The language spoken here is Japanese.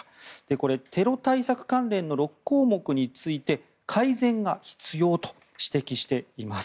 これ、テロ対策関連の６項目について改善が必要と指摘しています。